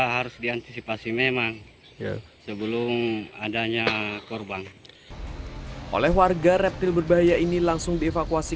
harus diantisipasi memang sebelum adanya korban oleh warga reptil berbahaya ini langsung dievakuasi